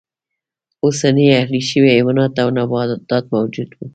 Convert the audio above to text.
اوسني اهلي شوي حیوانات او نباتات موجود و.